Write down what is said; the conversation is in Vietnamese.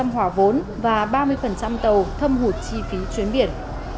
bốn mươi hỏa vốn và ba mươi tàu thâm hụt chi phí chuyến biển